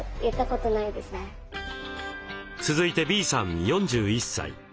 続いてＢさん４１歳。